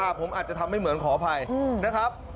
ผมอาจจะทำไม่เหมือนขออภัยนะครับ